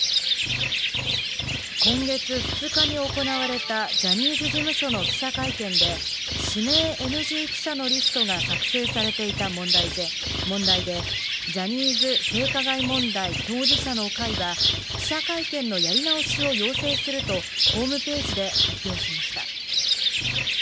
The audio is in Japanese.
今月２日に行われたジャニーズ事務所の記者会見で、指名ＮＧ記者のリストが作成されていた問題で、ジャニーズ性加害問題当事者の会は、記者会見のやり直しを要請すると、ホームページで発表しました。